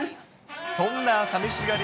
そんなさみしがり